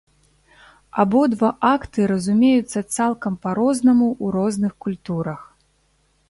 Абодва акты разумеюцца цалкам па-рознаму ў розных культурах.